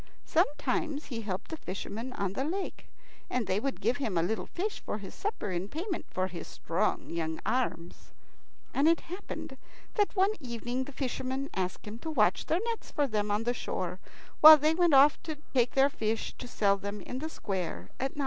Sometimes he helped the fishermen on the lake, and they would give him a little fish for his supper in payment for his strong young arms. And it happened that one evening the fishermen asked him to watch their nets for them on the shore, while they went off to take their fish to sell them in the square at Novgorod.